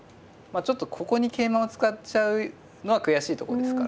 あちょっとここに桂馬を使っちゃうのは悔しいとこですからね。